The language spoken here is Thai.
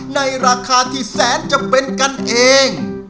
ในราคาที่แสนจะเป็นกันเอง